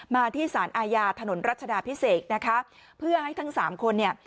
มาที่สารอาญาถนนรัชดาพิเศษนะคะเพื่อให้ทั้งสามคนเนี่ย